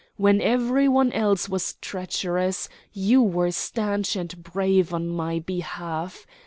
When every one else was treacherous, you were stanch and brave on my behalf.